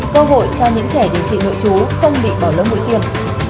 cơ hội cho những trẻ đình trị nội chú không bị bỏ lỡ mũi tiền